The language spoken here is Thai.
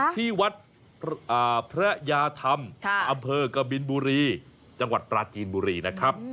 ที่วัดพระยาธรรมอำเภอกบินบุรีจังหวัดปราจีนบุรีนะครับ